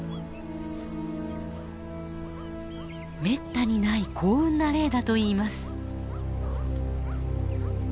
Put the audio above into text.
めったにない幸運な例だといいます。